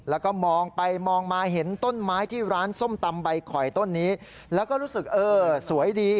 แล้วก็มองไปมองมาเห็นต้นไม้ที่ร้านส้มตำใบข่อยต้นนี้แล้วก็รู้สึกเออสวยดี